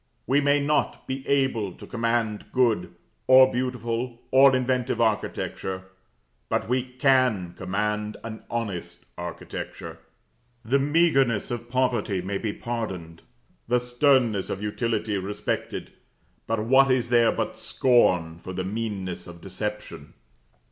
We may not be able to command good, or beautiful, or inventive architecture; but we can command an honest architecture: the meagreness of poverty may be pardoned, the sternness of utility respected; but what is there but scorn for the meanness of deception?